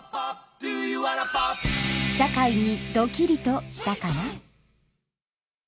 社会にドキリとしたかな？